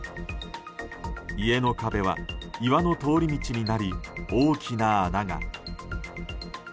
家の壁は岩の通り道になり大きな穴が。